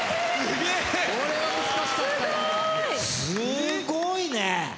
すごいね。